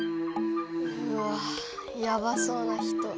うわぁやばそうな人。